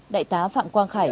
đại tá phạm quang khải